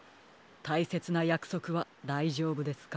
たいせつなやくそくはだいじょうぶですか？